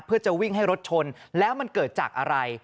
เพื่อจะวิ่งให้รถชนแล้วมันเกิดจากอะไร